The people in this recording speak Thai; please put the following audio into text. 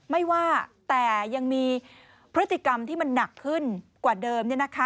ไม่ว่าแต่ยังมีพฤติกรรมที่มันหนักขึ้นกว่าเดิม